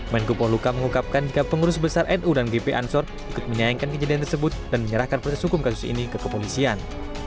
menko polhukam mengungkapkan jika pengurus besar nu dan gp ansor ikut menyayangkan kejadian tersebut dan menyerahkan proses hukum kasus ini ke kepolisian